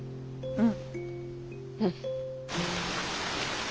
うん。